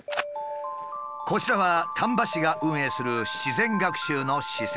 こちらは丹波市が運営する自然学習の施設。